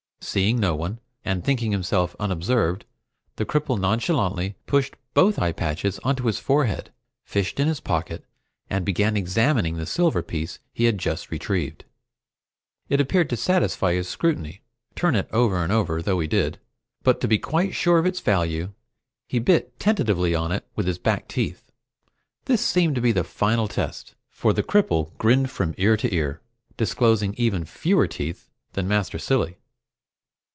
Seeing no one, and thinking himself unobserved, the cripple nonchalantly pushed both eye patches onto his forehead, fished in his pocket, and began examining the silver piece he had just retrieved. It appeared to satisfy his scrutiny, turn it over and over though he did, but to be quite sure of its value he bit tentatively on it with his back teeth. This seemed to be the final test, for the cripple grinned from ear to ear, disclosing even fewer teeth than Master Cilley.